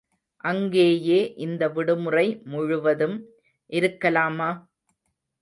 அங்கேயே இந்த விடுமுறை முழுவதும் இருக்கலாமா?